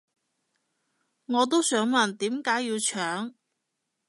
我都想問點解要搶